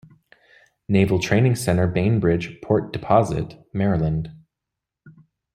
Naval Training Center Bainbridge, Port Deposit, Maryland.